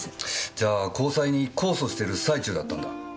じゃあ高裁に控訴している最中だったんだ！